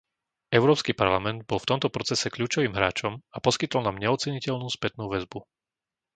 Európsky parlament bol v tomto procese kľúčovým hráčom a poskytol nám neoceniteľnú spätnú väzbu.